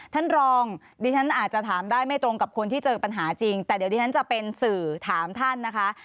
ท่านรองดิฉันอาจจะถามได้ไม่ตรงกับคนที่เจอปัญหาจริงแต่เดี๋ยวดิฉันจะเป็นสื่อถามท่านนะคะ